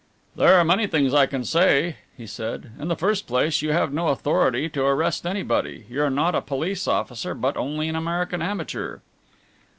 "There are many things I can say," he said. "In the first place, you have no authority to arrest anybody. You're not a police officer but only an American amateur."